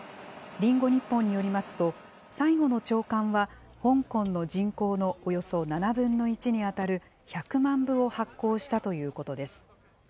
リンゴ日報によりますと、最後の朝刊は香港の人口のおよそ７分の１に当たる、１００万部を発行したということです。